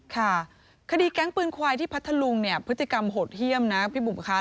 ค่ะคดีแก๊งปืนควายที่พัทธลุงเนี่ยพฤติกรรมโหดเยี่ยมนะพี่บุ๋มค่ะ